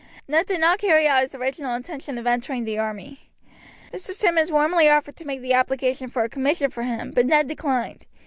Ned did not carry out his original intention of entering the army. Mr. Simmonds warmly offered to make the application for a commission for him, but Ned declined.